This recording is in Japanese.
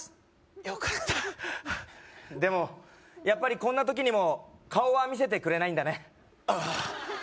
よかったでもやっぱりこんな時にも顔は見せてくれないんだねああ